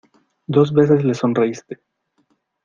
dos veces le sonreíste...